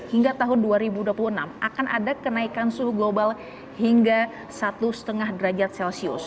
hingga tahun dua ribu dua puluh enam akan ada kenaikan suhu global hingga satu lima derajat celcius